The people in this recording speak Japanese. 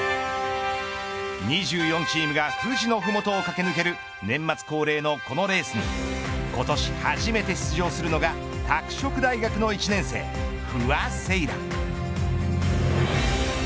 ２４チームが富士の麓を駆け抜ける年末恒例のこのレースに今年、初めて出場するのが拓殖大学の１年生、不破聖衣来。